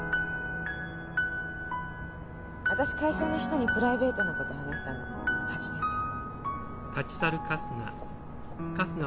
私会社の人にプライベートなこと話したの初めて。